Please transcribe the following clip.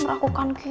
meragukan kiki deh